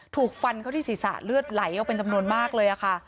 ถูกฟันเขาที่ศรีศัตริย์เลือดไหลเป็นจำนวนมากเลยค่ะ